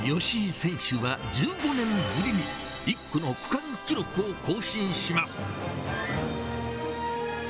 吉居選手は１５年ぶりに、１区の区間記録を更新します。